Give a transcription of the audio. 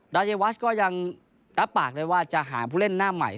รายวัชก็ยังรับปากเลยว่าจะหาผู้เล่นหน้าใหม่